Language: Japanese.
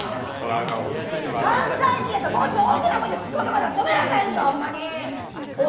関西人やったらもうちょっと大きな声でツッコんでこな、止められへんで。